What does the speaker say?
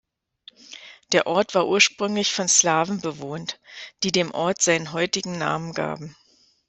Der Ort war ursprünglich von Slawen bewohnt, die dem Ort seinen heutigen Namen gaben.